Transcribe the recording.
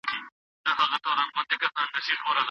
بصیرت لرونکی شخص تل حقایق په اسانۍ ویني.